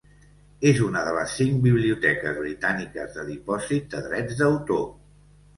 És una de les cinc biblioteques britàniques de dipòsit de drets d'autor.